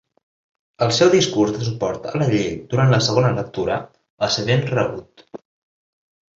El seu discurs de suport a la llei durant la segona lectura va ser ben rebut.